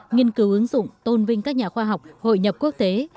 nghiên cứu ứng dụng tôn vinh các nhà khoa học hội nhập quốc tế